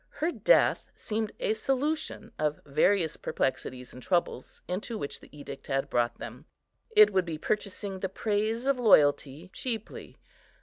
Her death seemed a solution of various perplexities and troubles into which the edict had brought them; it would be purchasing the praise of loyalty cheaply.